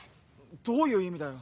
どういう意味だよ。